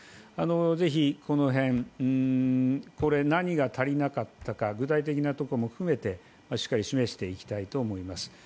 ぜひ、この辺、何が足りなかったか具体的なところも含めてしっかり示していきたいと思います。